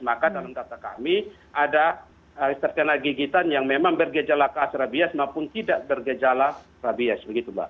maka dalam kata kami ada kena gigitan yang memang bergejala keas rabies maupun tidak bergejala rabies